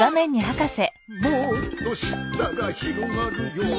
「もっとしったらひろがるよ」